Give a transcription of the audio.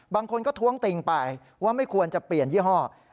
บางคนก็ท้วงติงไปว่าไม่ควรจะเปลี่ยนยี่ห้อ